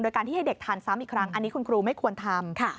โดยการที่ให้เด็กทานซ้ำอีกครั้งอันนี้คุณครูไม่ควรทำ